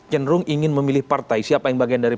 cenderung ingin memilih partai siapa yang bagian dari